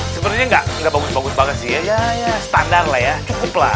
sebenarnya nggak bagus bagus banget sih ya standar lah ya cukup lah